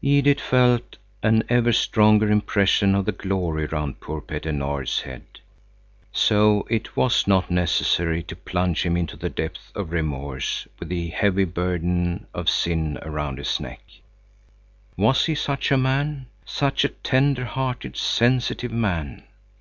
Edith felt an ever stronger impression of the glory round poor Petter Nord's head. So it was not necessary to plunge him into the depths of remorse with the heavy burden of sin around his neck. Was he such a man? Such a tender hearted, sensitive man!